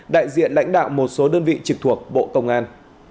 đại diện lãnh đạo một số đơn vị trực thuộc bộ công an